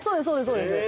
そうです